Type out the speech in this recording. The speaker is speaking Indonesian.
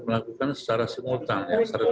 melakukan secara simultan